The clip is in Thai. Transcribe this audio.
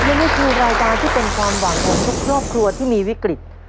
และนี่คือรายการที่เป็นความหวังของทุกครอบครัวที่มีวิกฤต